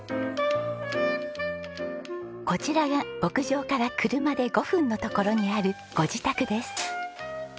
こちらが牧場から車で５分のところにあるご自宅です。